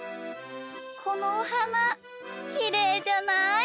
このおはなきれいじゃない？